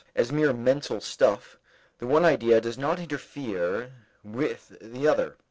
As mere mental stuff, the one idea does not interfere with the other.